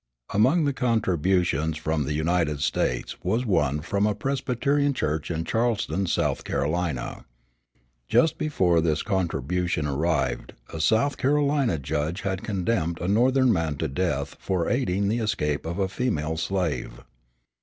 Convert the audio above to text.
Among the contributions from the United States was one from a Presbyterian church in Charleston, South Carolina. Just before this contribution arrived a South Carolina judge had condemned a Northern man to death for aiding the escape of a female slave.